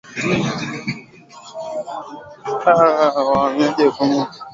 Wahamiaji kumi na nane wafariki walipojaribu kuvuka mpaka wa Morocco kuingia Uhispania